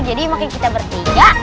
jadi makanya kita bertiga